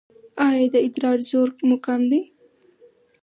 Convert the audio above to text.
ایا د ادرار زور مو کم دی؟